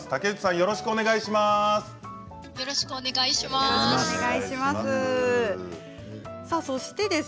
よろしくお願いします。